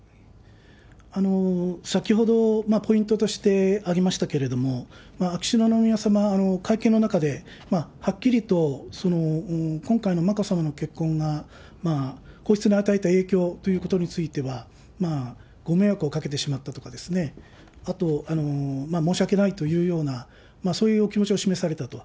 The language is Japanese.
先ほど、ポイントとしてありましたけれども、秋篠宮さま、会見の中ではっきりと今回の眞子さまの結婚が、皇室に与えた影響ということについては、ご迷惑をかけてしまったとかですね、あと、申し訳ないというような、そういうお気持ちを示されたと。